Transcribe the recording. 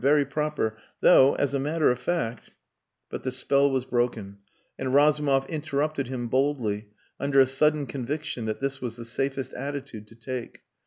Very proper. Though as a matter of fact...." But the spell was broken, and Razumov interrupted him boldly, under a sudden conviction that this was the safest attitude to take.